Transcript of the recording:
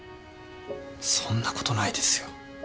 そんなことないですよ。